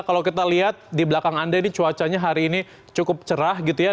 kalau kita lihat di belakang anda ini cuacanya hari ini cukup cerah gitu ya